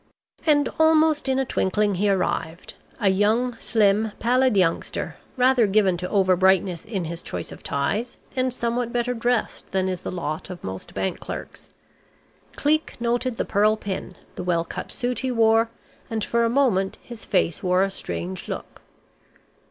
And almost in a twinkling he arrived a young, slim, pallid youngster, rather given to over brightness in his choice of ties, and somewhat better dressed than is the lot of most bank clerks. Cleek noted the pearl pin, the well cut suit he wore, and for a moment his face wore a strange look.